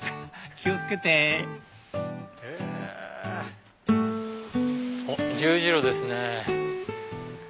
気を付けて十字路ですね。